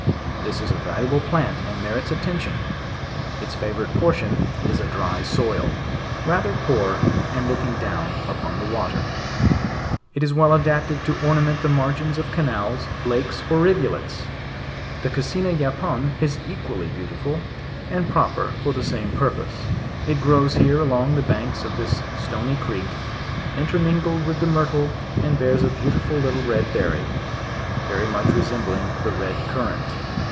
This is a valuable plant and merits attention: its favorite portion is a dry soil, rather poor, and looking down upon the water. It is well adapted to ornament the margins of canals, lakes, or rivulets. The cassina yapon; is equally beautiful; and proper for the same purpose: it grows here along the banks of this stony creek, intermingled with the myrtle and bears a beautiful lit tle red berry ; very much resembling the red currant.